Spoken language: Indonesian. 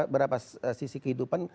berapa sisi kehidupan